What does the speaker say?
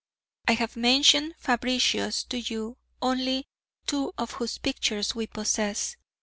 I have mentioned Fabritius to you, only two of whose pictures we possess.